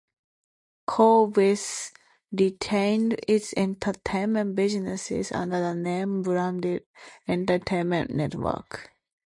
Corbis retained its entertainment businesses under the name Branded Entertainment Network.